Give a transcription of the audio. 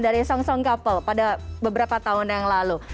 dari song song couple pada beberapa tahun yang lalu